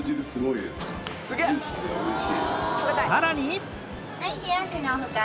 さらに